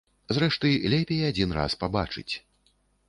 Зрэшты, лепей адзін раз пабачыць.